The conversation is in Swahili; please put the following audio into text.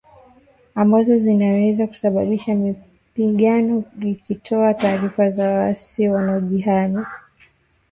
ambazo zinaweza kusababisha mapigano ikitoa taarifa za waasi wanaojihami